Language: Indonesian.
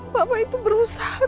papa itu berusaha